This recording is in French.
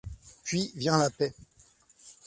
Puis vient la paix.